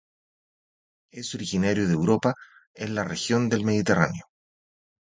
Es originario de Europa en la región del Mediterráneo.